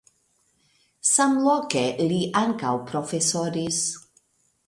Samloke li ankaŭ profesoris.